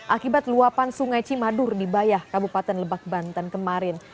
akibat luapan sungai cimadur di bayah kabupaten lebak banten kemarin